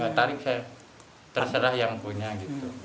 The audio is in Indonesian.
tarik saya terserah yang punya gitu